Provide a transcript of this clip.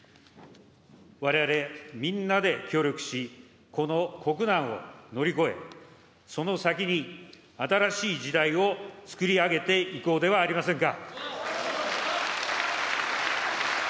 われわれみんなで協力し、この国難を乗り越え、その先に新しい時代をつくり上げていこうではありませんか。